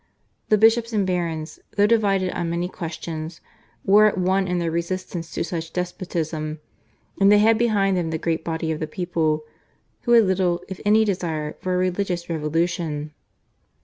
The bishops and barons, though divided on many questions, were at one in their resistance to such despotism, and they had behind them the great body of the people, who had little if any desire for a religious revolution.